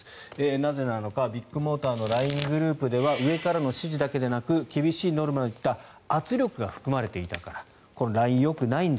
なぜなのかビッグモーターのＬＩＮＥグループでは上からの指示だけでなく厳しいノルマといった圧力が含まれていた。